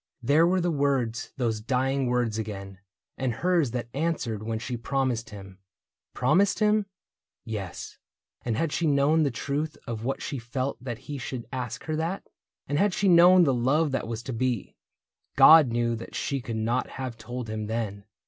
There were the words, those dying words again. And hers that answered when she promised him. Promised him ?... yes. And had she known the truth Of what she felt that he should ask her that. And had she known the love that was to be, God knew that she could not have told him then.